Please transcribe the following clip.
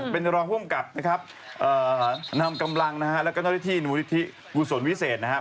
เป็นรองภูมิกับนำกำลังและกำลังธินุษย์มูลธิศอุศวิเศษ